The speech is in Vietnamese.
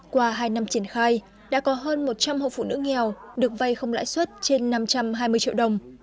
qua hai năm triển khai đã có hơn một trăm linh hộ phụ nữ nghèo được vay không lãi suất trên năm trăm hai mươi triệu đồng